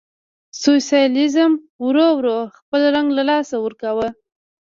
سوسیالیزم ورو ورو خپل رنګ له لاسه ورکاوه.